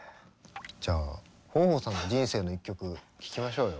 じゃあ豊豊さんの人生の一曲聴きましょうよ。